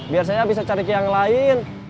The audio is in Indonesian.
biar saya bisa cari ke yang lain